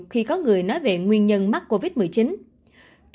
khi có người nói về nguyên nhân mắc covid một mươi chín